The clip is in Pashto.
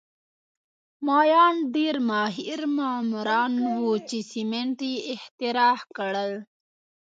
مایان ډېر ماهر معماران وو چې سیمنټ یې اختراع کړل